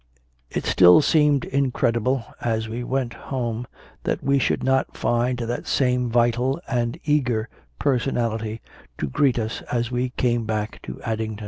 It still seemed incredible, as we went home, that we should not find that same vital and eager per sonality to greet us as we came back to Addington.